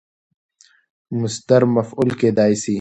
مصدر مفعول کېدای سي.